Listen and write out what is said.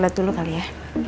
kau toilet dulu kali ya